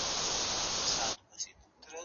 اوکاډو د خوړو ټولیدو مخه نیسي.